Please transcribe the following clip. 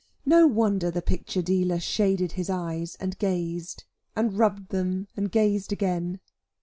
No wonder the picture dealer shaded his eyes and gazed, and rubbed them and gazed again.